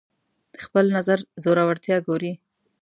د خپل نظر زورورتیا ګوري